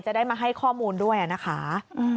จะได้มาให้ข้อมูลด้วยนะคะ